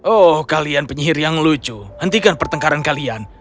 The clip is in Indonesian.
oh kalian penyihir yang lucu hentikan pertengkaran kalian